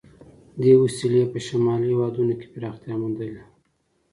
دې وسیلې په شمالي هېوادونو کې پراختیا موندلې.